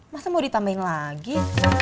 masa mau ditambahin lagi